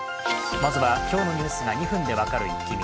まずは今日のニュースが２分で分かるイッキ見。